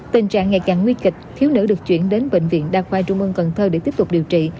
tình trạng ngày càng nguy kịch thiếu nữ được chuyển đến bệnh viện đa khoa trung ương cần thơ để tiếp tục điều trị